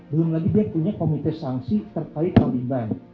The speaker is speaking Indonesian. belum lagi dia punya komite sanksi terkait taliban